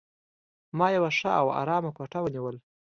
ما یوه ښه او آرامه کوټه ونیول.